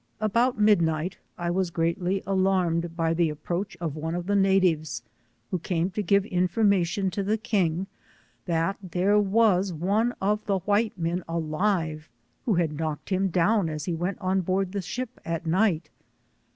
About midnight I was greatly alarmed by the approach of one of the natives, who came to give information to the king that there was one of the white men alive, who had knocked him down as he went on board the ship at night.